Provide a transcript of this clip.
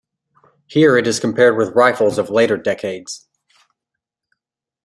Here it is compared with rifles of later decades.